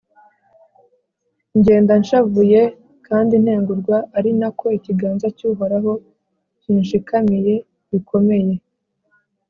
, ngenda nshavuye kandi ntengurwa, ari na ko ikiganza cy’Uhoraho kinshikamiye bikomeye